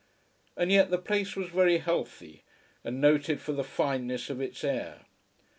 And yet the place was very healthy, and noted for the fineness of its air.